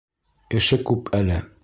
Эше күп әле!